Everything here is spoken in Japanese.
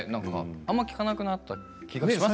あまり聞かなくなった気がします。